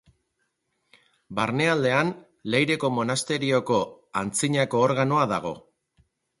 Barnealdean Leireko monasterioko antzinako organoa dago.